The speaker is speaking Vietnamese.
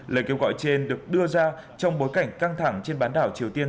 lời kêu gọi trên được đưa ra trong bối cảnh căng thẳng trên bán đảo triều tiên